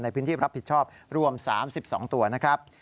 ในพื้นที่รับผิดชอบรวม๓๒ตัวนะครับ